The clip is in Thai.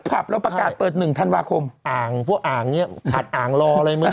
ผับแล้วประกาศเปิดหนึ่งธันวาคมอ่างเพราะอ่างเนี้ยขัดอ่างรอเลยมึง